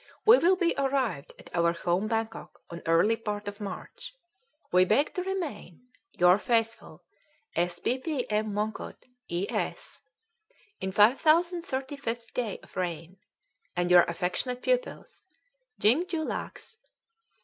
"We will be arrived at our home Bangkok on early part of March. "We beg to remain "Your faithful "S. P. P. M. MONGKUT E. S. "in 5035th day of reign. "And your affectionate pupils "YING YULACKS.